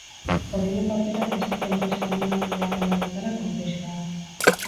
Odinen papera, beste jainko eskandinaviarrena bezala, konplexua da.